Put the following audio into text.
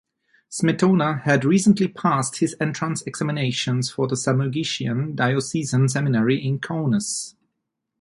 Smetona had recently passed his entrance examinations for the Samogitian Diocesan Seminary in Kaunas.